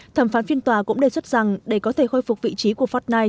thẩm phán phiên tòa cũng đề xuất rằng để có thể khôi phục vị trí của fortnite